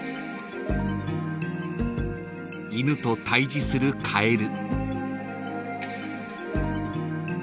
［犬と対峙するカエル］